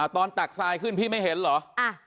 ตักทรายขึ้นพี่ไม่เห็นเหรอ